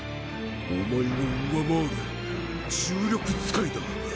お前を上回る重力使いだ。